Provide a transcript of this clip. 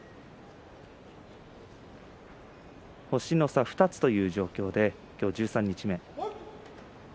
星の差２つという状況で十三日目。